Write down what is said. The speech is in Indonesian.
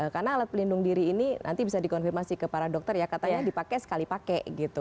karena alat pelindung diri ini nanti bisa dikonfirmasi ke para dokter ya katanya dipakai sekali pakai gitu